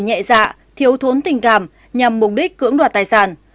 nhẹ dạ thiếu thốn tình cảm nhằm mục đích cưỡng đoạt tài sản